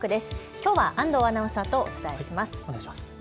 きょうは安藤アナウンサーとお伝えします。